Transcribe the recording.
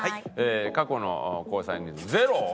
「過去の交際人数」ゼロ？